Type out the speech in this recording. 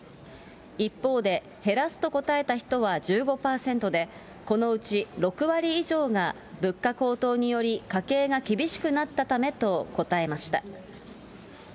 一方で、減らすと答えた人は１５％で、このうち６割以上が物価高騰により家計が厳しくなったためと答えました。